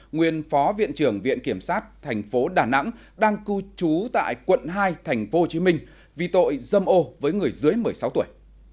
nguyên phó viện trưởng viện kiểm sát tp đà nẵng đang cư trú tại quận hai tp hcm vì tội dâm ô với người dưới một mươi sáu tuổi